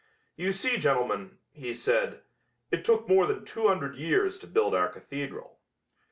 You see, gentlemen," he said, "it took more than two hundred years to build our cathedral."